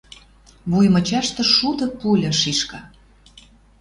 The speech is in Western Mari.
Вуй мычашты шуды пуля шишка